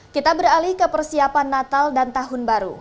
kita beralih ke persiapan natal dan tahun baru